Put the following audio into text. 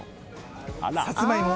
サツマイモ。